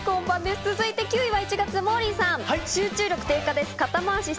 続いて９位は１月、モーリーさん。